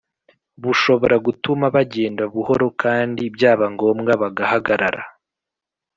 bushobora gutuma bagenda buhoro kandi byaba ngombwa bagahagarara